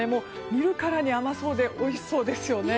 見るからに甘そうでおいしそうですよね。